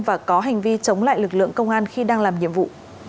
và có hành vi chống lại lực lượng công an khi đang làm nhiệm vụ